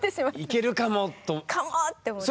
いけるかもと？かもって思って。